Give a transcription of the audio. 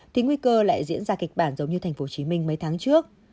thì nguy cơ lại diễn ra kịch bản giống như tp hcm mấy tháng trước